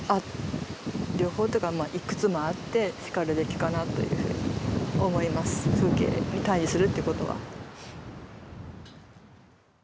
いくつもあってしかるべきかなというふうに思います風景に対じするってことは。